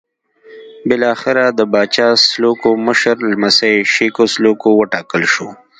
بالاخره د پاچا سلوکو مشر لمسی شېکو سلوکو وټاکل شو.